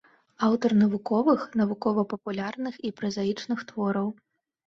Аўтар навуковых, навукова-папулярных і празаічных твораў.